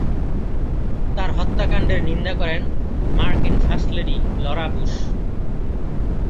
তার হত্যাকাণ্ডের নিন্দা করেন মার্কিন ফার্স্ট লেডি লরা বুশ।